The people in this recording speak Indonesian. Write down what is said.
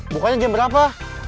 bukannya jam berapa